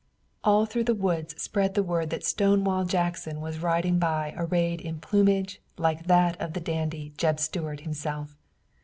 All through the woods spread the word that Stonewall Jackson was riding by arrayed in plumage like that of the dandy, Jeb Stuart himself.